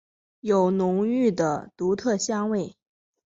有浓郁的独特香味。